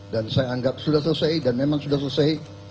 dan saya anggap sudah selesai dan memang sudah selesai